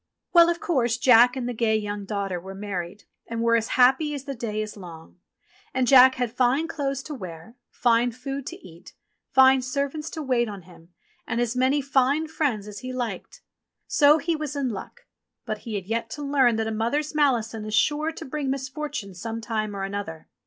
Well, of course. Jack and the gay young daughter were married, and were as happy as the day is long ; and Jack had fine clothes to wear, fine food to eat, fine servants to wait on him, and as many fine friends as he liked. So he was in luck ; but he had yet to learn that a mother's malison is sure to bring misfortune some time or another.